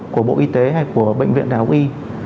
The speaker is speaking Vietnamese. của bộ y tế hay của bệnh viện đảo y